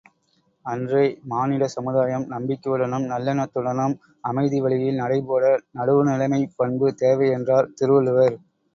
அன்றே மானிட சமுதாயம் நம்பிக்கையுடனும் நல்லெண்ணத்துடனும் அமைதி வழியில் நடைபோட நடுவுநிலைமைப் பண்பு தேவை என்றார் திருவள்ளுவர்.